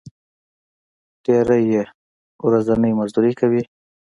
ډېری یې ورځنی مزدوري کوي.